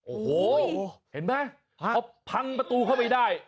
โอ้โหเห็นไหมพอพังประตูเข้าไปได้